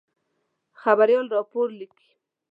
خبریال راپور لیکي.